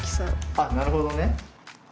あっなるほどね。